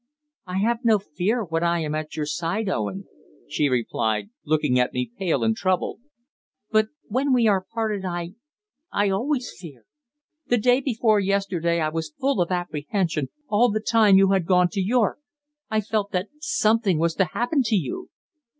"I have no fear when I am at your side, Owen," she replied, looking at me pale and troubled. "But when we are parted I I always fear. The day before yesterday I was full of apprehension all the time you had gone to York. I felt that something was to happen to you."